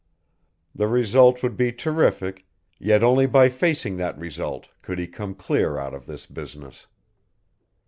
The result would be terrific, yet only by facing that result could he come clear out of this business.